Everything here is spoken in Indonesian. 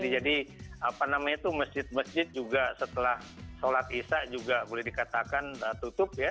apa namanya itu masjid masjid juga setelah sholat isya juga boleh dikatakan tutup ya